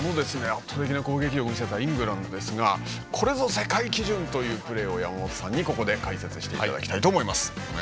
圧倒的な攻撃力のイングランドこれぞ世界基準というプレーを山本さんに解説していただきたいと思います。